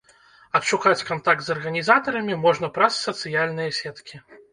Адшукаць кантакт з арганізатарамі можна праз сацыяльныя сеткі.